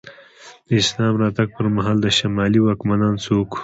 د اسلام راتګ پر مهال د شمالي واکمنان څوک وو؟